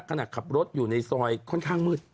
ขณะขับรถอยู่ในซอยค่อนข้างมืด